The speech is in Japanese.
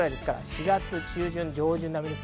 ４月中旬、上旬並みです。